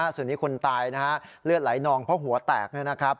ส่วนนี้คนตายเลือดไหลนองเพราะหัวแตก